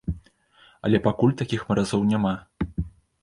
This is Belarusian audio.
Але пакуль такіх маразоў няма.